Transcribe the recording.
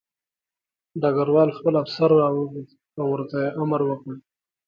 ډګروال خپل افسر راوغوښت او ورته یې امر وکړ